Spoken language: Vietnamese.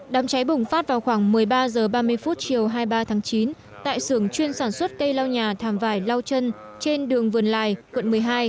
đám cháy bùng phát vào khoảng một mươi ba h ba mươi chiều hai mươi ba tháng chín tại xưởng chuyên sản xuất cây lau nhà thàm vải lao chân trên đường vườn lài quận một mươi hai